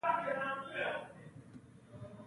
په څیړنه کې پلټنه شامله ده.